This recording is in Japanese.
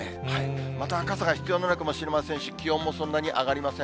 また傘が必要になるかもしれませんし、気温もそんなに上がりません。